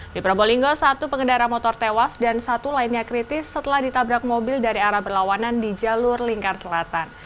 di probolinggo satu pengendara motor tewas dan satu lainnya kritis setelah ditabrak mobil dari arah berlawanan di jalur lingkar selatan